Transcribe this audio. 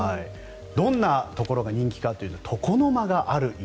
どんなところが人気かというと床の間がある家。